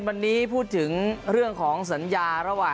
วันนี้พูดถึงเรื่องของสัญญาระหว่าง